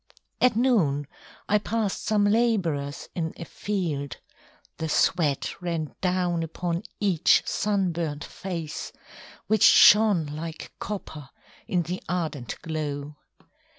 At noon I passed some labourers in a field. The sweat ran down upon each sunburnt face, Which shone like copper in the ardent glow.